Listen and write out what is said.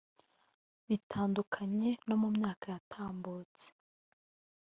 Bitandukanye no mu myaka yatambutse